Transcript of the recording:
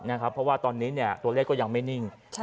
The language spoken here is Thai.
เพราะว่าตอนนี้ตัวเลขก็ยังไม่นิ่ง